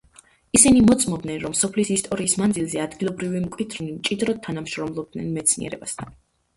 ისინი მოწმობენ, რომ სოფლის ისტორიის მანძილზე ადგილობრივი მკვიდრნი მჭიდროდ თანამშრომლობდნენ მეცნიერებასთან.